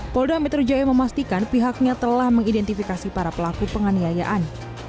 polda metro jaya memastikan pihaknya telah mengidentifikasi para pelaku penganiayaan